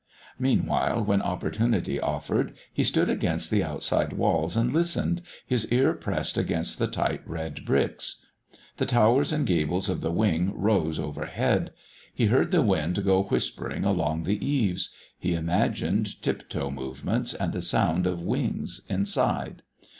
Meanwhile, when opportunity offered, he stood against the outside walls and listened, his ear pressed against the tight red bricks; the towers and gables of the Wing rose overhead; he heard the wind go whispering along the eaves; he imagined tiptoe movements and a sound of wings inside.